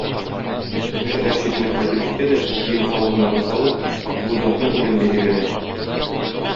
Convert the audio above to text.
Шәһәр читенә кайтып җитә дә, кием-салымнарын салып, Акбүз атны үләнгә җибәрә.